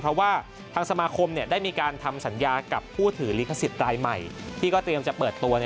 เพราะว่าทางสมาคมได้มีการทำสัญญากับผู้ถือลิขสิทธิ์รายใหม่ที่ก็เตรียมจะเปิดตัว